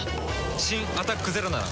新「アタックＺＥＲＯ」なら。